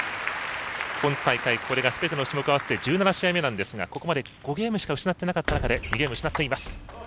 今大会、これが全種目合わせて１７試合目なんですがここまで５ゲームしか失っていなかった中で２ゲーム失っています。